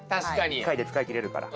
１回で使い切れるから。